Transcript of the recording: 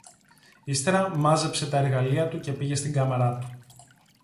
Ύστερα, μάζεψε τα εργαλεία του και πήγε στην κάμαρα του.